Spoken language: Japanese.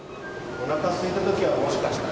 おなかすいた時はもしかしたら。